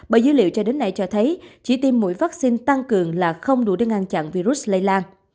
bởi dữ liệu cho đến nay cho thấy chỉ tiêm mũi vaccine tăng cường là không đủ để ngăn chặn virus lây lan